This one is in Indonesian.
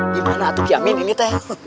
gimana atuk yamin ini teh